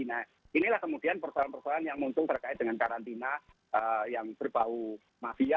nah inilah kemudian persoalan persoalan yang muncul terkait dengan karantina yang berbau mafia